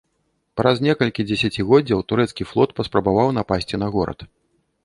Праз некалькі дзесяцігоддзяў турэцкі флот паспрабаваў напасці на горад.